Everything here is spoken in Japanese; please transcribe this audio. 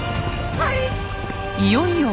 はい！